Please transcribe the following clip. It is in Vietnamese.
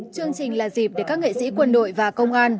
chương trình là dịp để các nghệ sĩ quân đội và công an